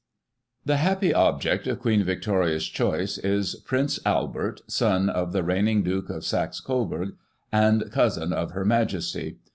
The happy object of Queen Victoria's choice is Prince Albert, son of the reigning Duke of Saxe Coburg, and cousin of Her Majesty.